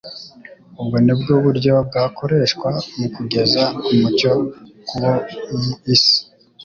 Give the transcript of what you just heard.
ubwo ni bwo buryo bwakoreshwa mu kugeza umucyo ku bo mu isi.